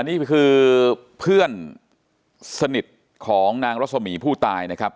นี่คือเพื่อนสนิทของนางรสมีผู้ตายนะครับ